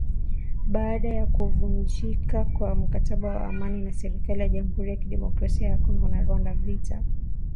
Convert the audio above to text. Baada ya kuvunjika kwa mkataba wa amani na serikali ya jamuhuri ya kidemokrasia ya Kongo na Rwanda, vita vilikazishwa sana